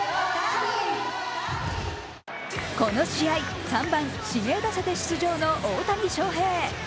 この試合、３番・指名打者で出場の大谷翔平。